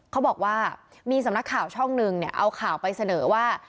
เขาบอกว่ามีสำนักข่าวช่องหนึ่งเอาข่าวไปเสนอว่า